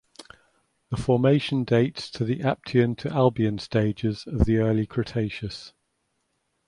The formation dates to the Aptian to Albian stages of the Early Cretaceous.